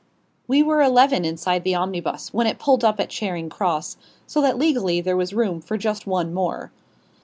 We were eleven inside the omnibus when it pulled up at Charing Cross, so that legally there was room for just one more.